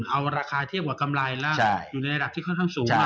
เอาราคาเทียบกับกำไรแล้วอยู่ในระดับที่ค่อนข้างสูงมาก